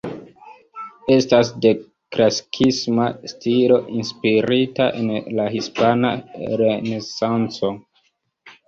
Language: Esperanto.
Estas de klasikisma stilo inspirita en la Hispana Renesanco.